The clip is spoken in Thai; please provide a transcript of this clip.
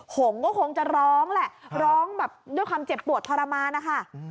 หงก็คงจะร้องแหละร้องแบบด้วยความเจ็บปวดทรมานนะคะ